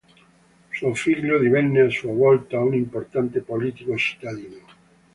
Suo figlio divenne a sua volta un importante politico cittadino.